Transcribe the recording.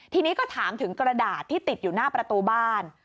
ทีนี้ก็ถามถึงกระดาษที่ติดอยู่หน้าประตูบ้าน